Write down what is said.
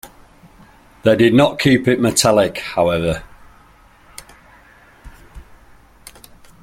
They did not keep it metallic, however.